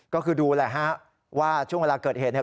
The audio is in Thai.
ก็คือดูแหละฮะว่าช่วงเวลาเกิดเหตุเนี่ย